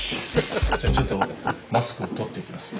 じゃあちょっとマスクを取っていきますね。